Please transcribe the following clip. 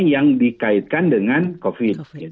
yang dikaitkan dengan covid